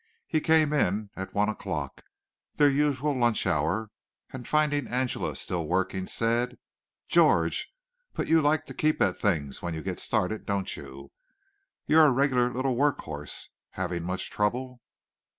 He came in at one o'clock, their usual lunch hour, and finding Angela still working, said, "George! but you like to keep at things when you get started, don't you? You're a regular little work horse. Having much trouble?"